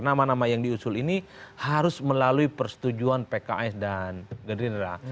nama nama yang diusul ini harus melalui persetujuan pks dan gerindra